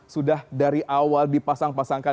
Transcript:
sudah dari awal dipasang pasangkan